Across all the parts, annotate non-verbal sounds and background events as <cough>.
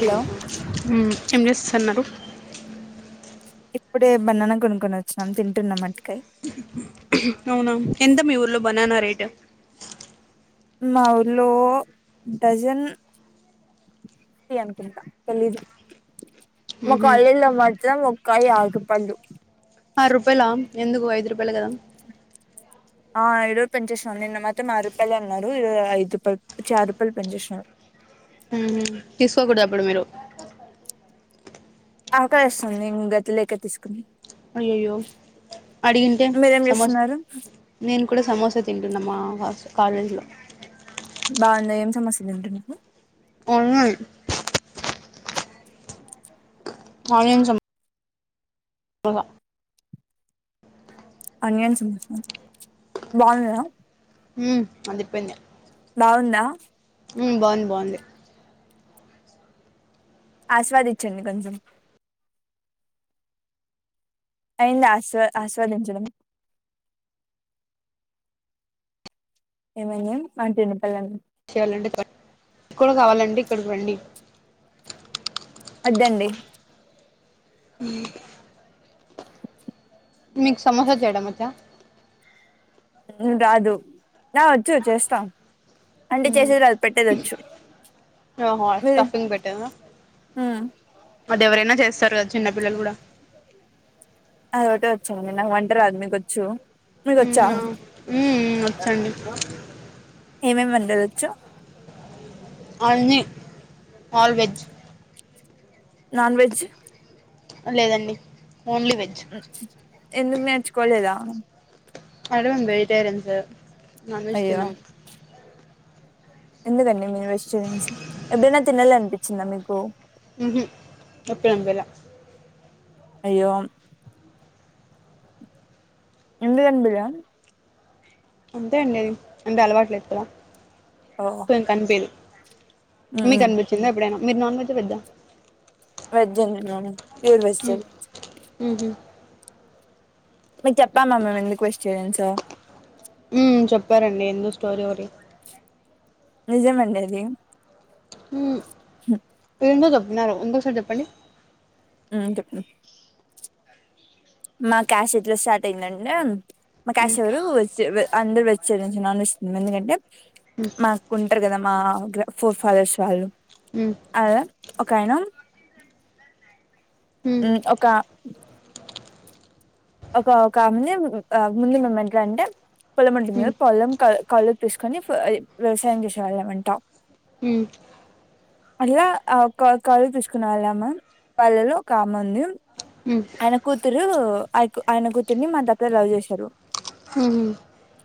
Hello ఏం చేస్తున్నారు ఇప్పుడే బనాన కొనుక్కొని వచ్చినం తింటున్నాం అట్టికాయ్ అవునా ఎంత మీ ఊర్లో బననా రేట్ మాఊర్లో డజన్ ఫిఫ్టీ అనుకుంటా తెలిదు మా మ్మ్ కాలేజిలో మాత్రం ఒక కాయ అరుపళ్ళు ఆరు రూపాయల ఎందుకు ఐదు రూపాయలే కదా ఆ ఇరోజు పెంచేసినాం నిన్న మాత్రం నారు రూపాయలు అన్నారు ఈ ఐదు రూపాయలు చ రూపాయలు పెంచేసినారు. ఊ తీసుకోకూడదు అప్పుడు మీరు ఆకలేస్తుంది గతి లేక తీసుకున్నాం అయ్యయ్యో అడిగింటే మీరేం సమోస చేస్తున్నారు నేను కూడా సమోసా తింటున్నా మా కాలేజ్లో బాగుంద ఏం సమోసా తింటున్నావు ఆనియన్ ఆనియన్ సమ్మ్ స అనియన్ సమోసా బాగుందా హ్మ్మ్ అదిరిపోయింది బాగుందా హ్మ్మ్ బాగుంది బాగుంది ఆస్వాదిించండి కొంచం అయింది ఆస్వా ఆస్వాదించడం ఏమయింది అంటుంది పల్లని కూడ కావాలంటె ఇక్కడికి రండి వద్దండి ఉ మీకు సమోస చేయడం వచ్చా రాదు హా వచ్చు చేస్తా అంటే చేసేది రాదు పెట్టేదొచ్చు ఆహో స్టఫింగ్ పెట్ట ఉమ్ అది ఎవరైనా చేస్తారు కదా చిన్నపిల్లలు కూడా అది ఒకటే వచ్చిండి నాకు వంట రాదు మీకుొచ్చు మీకు వచ్చా మ్మ్ ఆ. మ్మ్ మ్మ్, వచ్చండి ఏమేమి వంటలొచ్చు అన్నీ ఆల్ వెెజ్ నాన్ వెజ్ లేదండి ఓన్లీ వెజ్ ఎందుకు నేర్చుకోలేదా అయినా మేము వెజిటైరన్స్ నాన్ వెజ్ అయ్యో తినం ఎందుకండి మీరు వెజిటేరియన్స్ ఎప్పుడైనా తినాలి అనిపించిందా మీకు హుహు ఎప్పుడు అనిపిలా అయ్యో ఎందుకు అనిపిలా అంతే అండి అది అంటే అలవాటు లేదు కదా ఓ ఇంకా అనిపియ్యదు మీకు అనిపించిందా ఎప్పుడైనా మీరు నాన్ వెజ్ ఆ వెజ్ ఆ వెజ్ ఏ నేను ప్యూర్ వెజిటేరియన్ హుహు మీకు చెప్పామా మేము ఎందుకు క్రిస్టియన్స్ హో ఉ చెప్పారండి ఎందు స్టోరీ ఒకటి నిజమండి అది హ్మ్మ్ హు నిజంగా చెపుతున్నారా ఇంకో సారి చెప్పండి ఆ చెప్పు మా క్యాస్ట్ ఎట్లా స్టార్ట్ అయిందంటే మా క్యాషియరు వెజ్ వే అందర్ వెజ్ తింటరు నాన్ వెజ్ తినరు ఎందుకంటే మాకు ఉంటరు గదా మా గ్ర ఫోర్ ఫాదర్స్ వాళ్ళు ఉమ్ అలా ఒకాయన ఉమ్ మ్ ఒకా ఒక ఒకామెని ఆ ముందు మేము ఎట్లా అంటే పొలం ఉంటుంది ఉమ్ కదా పొలం కౌ కౌలుకు తీసుకొని వ్యవసాయం చేసేవాళ్ళ మంట ఉమ్ అట్లా ఆ క కౌలుకు తీసుకునే వాళ్లము మేం వాళ్ళలో ఒకాముంది ఆయన కూతురూ ఆయ్ కు ఆయన కూతుర్ని మా తాత లవ్ చేసిర్రు ఉమ్ హ్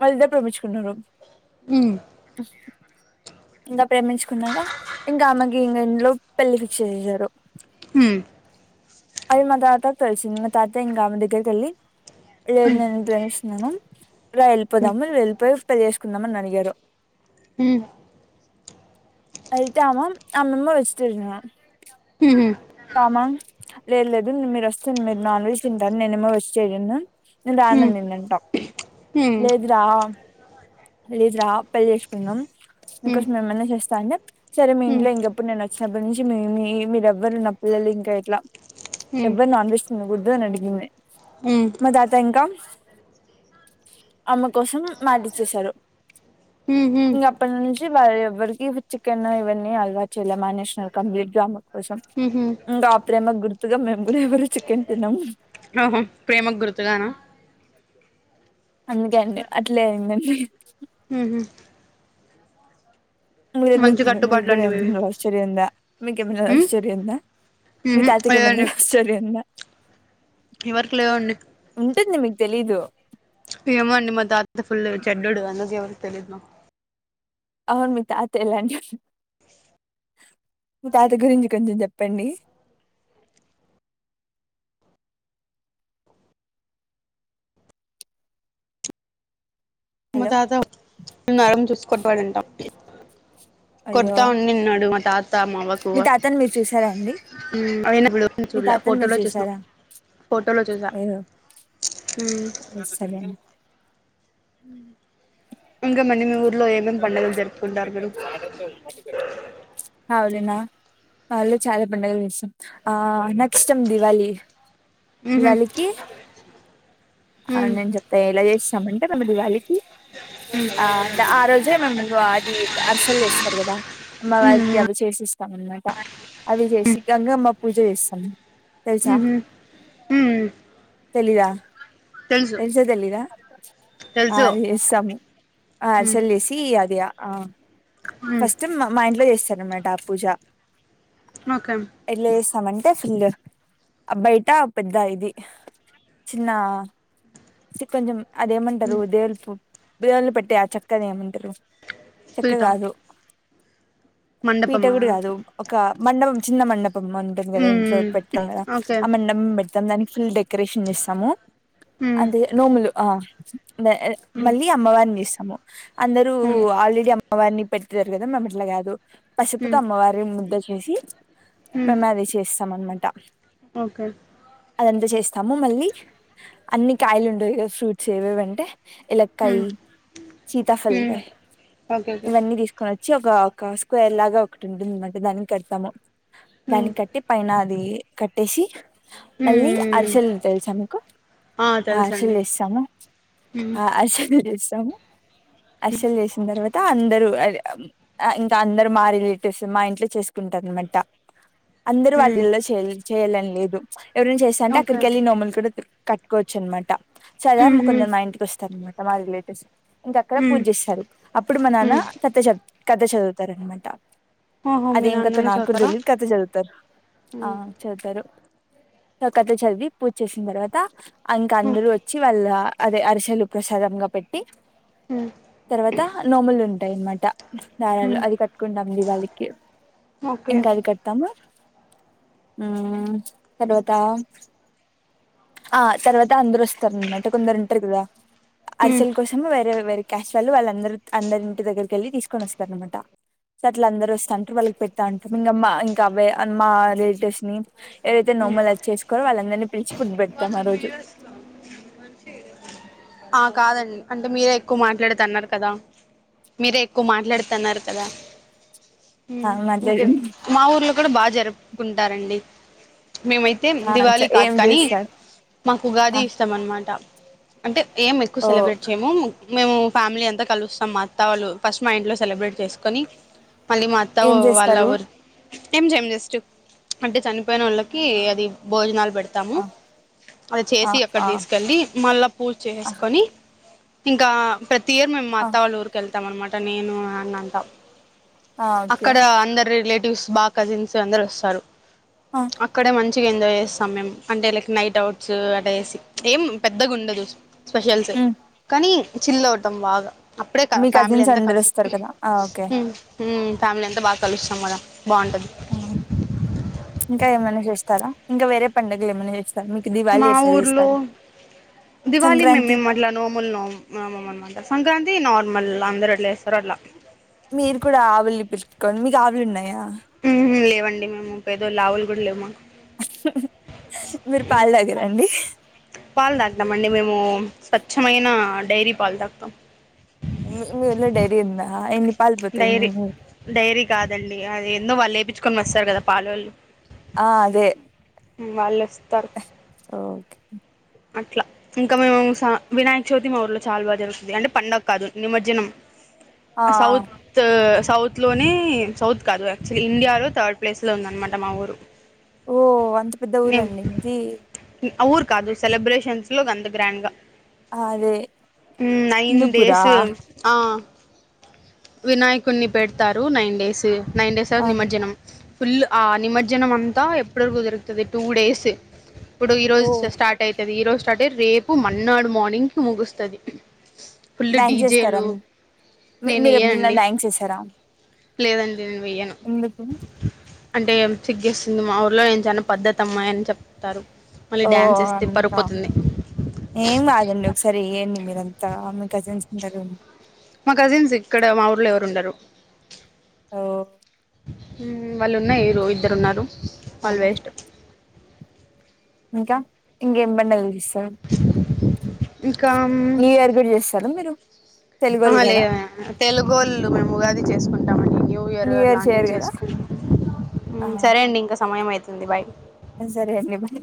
వాళ్లిద్దరు ప్రేమిచ్చుకున్నరు ఇంగ ప్రేమించుకున్నాక ఇంగా ఆమెకి ఇంగ ఇంట్లో పెళ్లి ఫిక్స్ చేసారు హ్మ్ అది మా తాతకు తెలిసింది మా తాత ఇంగ ఆమె దగ్గరికెళ్ళి లేదు నేను ప్రేమిస్తున్నాను రా వెళ్ళిపోదాము వెళ్ళిపోయి పెళ్ళి చేసుకుందాము అని అడిగారు ఉమ్ అయితే ఆమ అమ్మమ్మ వచ్చేసిందిగా ఉహు ఆమా లేదు లేదు మీరు వస్తుంరు మీరు నాన్ వెజ్ తింటారు నేనేమో వెజిటేరియన్ నేను ఉమ్ రాననిందంటా ఉమ్ లేదురా లేదురా పెళ్లి చేసుకుందాం నీ ఉమ్ కోసం ఎమన్న చేస్తా అంటె సరే మీ ఉమ్ ఇంట్లో ఇంకెప్పుడు నేను వచ్చినప్పటి నుంచి మీ మీ మీరెవ్వరు నప్ పిల్లలు ఇంక ఎట్లా ఎవ్వరు నాన్ వెజ్ తినగూడదూ అనడిగింది మా తాత ఇంకా అమ్మ కోసం మాటిచ్చేసాడు ఇంగ అప్పటి నుంచి చి వారెవ్వరికి చికెన్ ఇవన్నీ అలవాటు చేయలె మానేసినారు కంప్లీట్ గా ఉమ్ హు అ ప్రేమ గుర్తుగా మేము గూడ ఎవ్వరు చికెన్ తినము ఆహా ప్రేమకు గుర్తుగానా అందుకే అండి అట్లేయిందండి మీరెందుకు మంచి తినరు? మీ కట్టుబాట్లు గ్గుడా అండి మీవి ఏమైనా లవ్ స్టోరీ ఉందా? మీకేమైనా లవ్ స్టోరీ ఉందా? మీ తాతకెమన్న లేదండి లవ్ స్టోరి ఉందా ఎవరికి లేవండి ఉంటుంది మీకు తెలీదు ఏమో అండి మా తాత ఫుళ్ళు చెడ్డోడు అందుకే ఎవ్వరికి తెలీదు మాకు అవును మీ తాత ఎలాంటి వాడు మీ తాత గురించి కొంచెం చెప్పండి మా హలో తాత నరం చూసుక పడుంటం అయ్యో కొడతా ఉండిన్నాడు మా తాత్ త మావ్వకు మీ తాతని మీరు చూసారా అండి ఉమ్ ఆయన్నెపుడు మీ చూడ్లే తాతని మీరు ఫోటోలో చూసిన చూసారా ఫోటోలో చూసా అయ్యో ఉమ్ సరే అండి ఇంగేమండి మీ ఊర్ <unintelligible> జాగ్రత్తగా పట్టుకొర్రి పోతద్ మా ఊళ్ళెనా మా ఊరిలో చాలా పండగలు చేస్తాం ఆ నాకు ఇష్టం దీవాళి దివాళికి ఆ నేన్ చెప్తా ఎలా చేస్తామంటే మేము దివాళికి ఆ ఆ రోజే మేము అది అర్సలు చేస్తారు కదా అమ్మవారికి అవి చేసిస్తాం అన్నమాట అవి చేసి గంగమ్మ పూజ చేస్తం తెల్సా మీరు తెలీదా తెలుసు తెలుసా తెలీదా తెలుసు అది చేస్తము మ్మ్ అర్సలు చేసి అది అ ఆ మ్మ్ ఫస్ట్ మా ఇంట్లో చేస్తారు అనమాట ఆ పూజ <unintelligible> స్తా అంటే ఫుల్ బయట పెద్ద ఇది చిన్న ఇ కొంచెం అదేమంటారు దేవుళ్లు పు బీరువాలో పెట్టే ఆ చెక్కని ఏమంటారు చెక్క పీఠ కాదు పీఠ మండపమా గుడ కాదు ఒక మండపం చిన్న మండ మ్ ఉంటుంది కదా మ్మ్ ఇంట్లో పెట్టాం మ్మ్ కదా ఓకే ఆ మండపం పెడతాం దానికి ఫుల్ డెకొరేషన్ చేస్తాము మ్మ్ అదే నోములు ఆ మ్మ్ మళ్ళీ అమ్మవారిని ఇస్తము అందరూ మ్మ్ ఆల్రెడీ అమ్మవారిని పెట్టితారు కదా మేము అట్లా కాదు పసుపుతో మ్మ్ అమ్మవారి ముద్ద చేసి మ్మ్ మెమా <unintelligible> చేస్తాం అనమాట ఓకే ఎంత చేస్తాము మళ్ళీ అన్ని కాయలు ఉంటయి కదా ఫ్రూట్స్ ఏవేవంటే ఇలకాయీ మ్మ్ మ్మ్ సీతాఫక్కాయ్ ఓకే ఓకే ఇవన్నీ తీసుకోనో వచ్చి ఒక ఒక స్క్వేర్ లాగా ఒకటి ఉంటుందింటే దానికి కడతాము మ్మ్ దానికి కట్టి పైన అది కట్టేసి మళ్ళీ మ్మ్ అరిసెలు తెలుసా మీకు ఆ అరిసెలు చేస్తాము మ్మ్ ఆ అరిశల్ సలు చేస్తాము అరిశలు చేసిన తర్వ అందరు ఇంకా అందరు మా రిలేటివ్స్ మా ఇంట్లో చేసుకుంటారు అనమాట అందరు మ్మ్ వాళ్ళలో చేయ చేయాలని లేదు ఎవరినా చేస్తాంటే ఓకే అక్కడికి వెళ్ళి నోములు కూడ కట్టుకోవచ్చు అనమాట సదా మ్మ్ హ్మ్ కొందరు మా ఇంటికి వస్తార అనమాట మా రిలేటివ్స్ ఇంక అక్కడ పూజ మ్మ్ చేస్తరు అప్పుడు మా నాన్న మ్మ్ కథ చ కథ చదువుతారు అనమాట ఓహో మీ అదేం కతో నాన్ననే నా కూడా చదువుతారా తెలిగి కత చదువుతారు ఆ మ్మ్ చదువుతారు కథ చదివి పూజ చేసిన తర్వాత ఇంకా మ్మ్ అందరు వచ్చి వాళ్ళ అదే అరిసెలు ప్రసాదంగా పెట్టి ఉ తర్వాత నోములు ఉంటాయి అనమాట ధారాలు మ్మ్ అది కట్టుకుంటాం దివాలికి ఓకే ఇంక అది కడతాము తర్వాత ఆ తర్వాత అందరు వస్తారనమాట కొందరు ఉంటారు కదా మ్మ్ అరిసెల్ కోసం వేరే వేరే క్యాస్ట్ వాళ్ళు వాళ్ళందరు అందరింటి దగ్గరికి వెళ్ళి తీసుకొని వస్తారనమాట అ అట్ల అందరుూ వస్తా అంటారు వాళ్ళకి పెట్టతా ఉంటాం ఇంకమ్మా ఇంకా అవే అమ్మా రిలేటివ్స్ ని ఏవైతే నోములు <unintelligible> వాళ్ళందరినీ పిలిచి ఫుడ్ పెడతాం ఆ రోజు ఆ కాదండి అంటే మీరే ఎక్కువ మాట్లాడ అన్నారు కదా మీరే ఎక్కువ మాట్లాడుతన్నారు కదా ఆ ఇంక మాట్లాడండి మా ఊర్లో కూడ బాగా జరుపుకుంటారండి మేమైతే ఆ చ దివాళి కాదు ఏం కానీ చేస్తారు మాకు ఉగాది ఆ ఇస్టం అనమాట అంటే ఏం ఎక్కువ ఓ సెలబ్రేట్ చేయము మేము ఫ్యామిలీ అంత కలుస్తాం మా అత్తా వాళ్ళు ఫస్ట్ మా ఇంట్లో సెలబ్రేట్ చేసుకొని మళ్ళీ మా అత్త ఏం వాళ్ళ చేస్తారు వూరు ఏం చేయము జస్ట్ అంటే చనిపోయిన వాళ్ళకి అది భోజనాలు పె తాము ఆ అది ఆ చేసి అక్కడ ఆ తీసుకెళ్ళి మళ్ళా పూజ ఆ చేసేసుకొని ఇంకా ప్రతి ఇయర్ మేము మా ఆ అత్తా వాళ్ళ ఊరికెళ్తాం అనమాట నేను అన్న అంతా ఆ ఓకే అక్కడ అందరు రిలేటివ్స్ బాగా కజిన్స్ అందరు వస్తారు ఆ అక్కడే మంచి చిగా ఎంజాయ్ చేస్తాం మేము అంటే లైక్ నైట్ అవుట్స్ అట వేసి ఏం పెద్ద గుండదు స్పెషల్స్ ఉమ్ కానీ చిల్లు అవటం బాగా అప్పుడే గా మీ ఫ్యామిలీ కజిన్స్ అంతా అందరు కలు వస్తారు హు కదా ఆ ఓకే ఉమ్ ఫ్యామిలీ అంత బాగా కలుస్తాం కదా బాగుంటుంది ఇంకా ఏమైన్నా చేస్తారా ఇంకా వేరే పండుగలు ఏమైన్నా చేస్ మా ఊర్లో దీవాలి మేం సంక్రాంతి మ్ అట్లా నోముల్ నో నోమం ఆ అనమాట సంక్రాంత్ తి నార్మల్ అందరు ఎట్లే చేస్తారో అట్లా జాబులు ఉన్నయా అండి మేము పెదోలం లావులు కూడా లేవు మాకు మీరు పాలు తాగరండి <inaudible> పాలు తాగినం అండి మేము స్వచ్ఛమైన డైరీ పాలు తాగుతాం మీ ఊర్లో డైరీ ఉందా ఏద్ డైరీ డైరీ కాదండి అది ఏందో వాళ్ళు ఎపించుకొని వస్తారు కదా పాలొల్లు ఆ అదే ఉమ్ వాళ్లే వస్ ఓకే అట్లా ఇంకా మేము స వినాయక చవితి మా ఊర్లో చాలా బాగా జరుగుతుంది అంటే పండగ కాదు నిమజ్జనం ఆ సౌత్ సౌత్లోనే సౌత్ కాదు యాక్చువల్లీ ఇండియాలో థర్డ్ ప్లేస్లో ఉందనమాట మా ఊరు ఓ అంత పెద్ద ఊరండి మీది ఆ ఊరు కాదు సెలబ్రేషన్స్ లో అంత గ్రాండ్ గా ఆ! అదే ఉమ్ నైన్ హిందూపురా డేస్ ఆ వినాయకుని పెడతారు నైన్ డేస్ నైన్ డేస్ ఆ తర్వాత నిమజ్జనం ఫుల్ ఆ నిమజ్జనం అంతా ఎప్పటి వరకు దొరుకుతుంది టూ డేస్ ఇప్పుడు ఓ ఈరోజు స్టార్ట్ ఈ రోజు స్టార్ట్ అయి రేపు మన్నాడు మార్నింగ్ కి ముగుస్తుది ఫుల్ డ్యాన్స్ చేస్తారా డీజేలు నేను మీరు ఎప్పుడైనా వెయ్యానండి డ్యాన్స్ చేసారా లేదండి నేను వెేయ్యాను ఎందుకు అంటే సిగ్గేస్తుంది మా ఊర్లో నేను చానా పద్ధతి అమ్మాయి అని చెప్తారు మళ్ళీ డ్యాన్స్ ఎస్ ఆ ఏం కాదులెండి ఒకసారి ఏయండి మీరంత అంత మీ కజిన్స్ అందరు మా కజిన్స్ ఇక్కడ మా ఊర్లో ఎవరు ఉండరు ఓ ఉమ్ వాళ్ళు ఉన్న వేయరు ఇద్దరు ఉన్నారు ఆ వాళ్ళు వెస్ట్ ఇంకా ఇంకా ఏం పండగలు ఎస్తారు ఇంకా న్యూ ఇయర్ కూడా చేస్తార మీరు ఆహా తెలుగోళ్ళు లే కదా తెలుగోళ్ళు మేం ఉగాది చేసుకుంటామండి న్యూ ఇయర్ అట్లాంటివి చేసుకు సరే అండి ఇంకా సమయం అయితుంది బాయ్ ఆ సరే అండి బాయ్